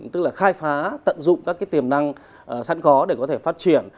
tức là khai phá tận dụng các cái tiềm năng sẵn có để có thể phát triển